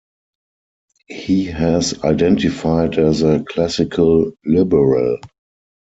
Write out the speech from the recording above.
He has identified as a classical liberal.